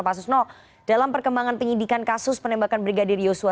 pak susno dalam perkembangan penyidikan kasus penembakan brigadir yosua